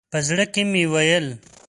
په زړه کې مې ویل.